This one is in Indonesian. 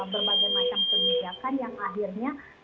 berbagai macam kebijakan yang akhirnya